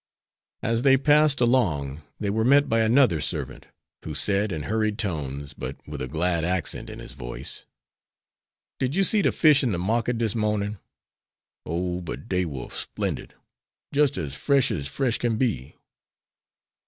As they passed along, they were met by another servant, who said in hurried tones, but with a glad accent in his voice: "Did you see de fish in de market dis mornin'? Oh, but dey war splendid, jis' as fresh, as fresh kin be."